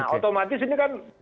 nah otomatis ini kan